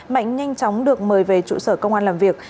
mạnh nhanh chóng được mời về trụ sở công an làm việc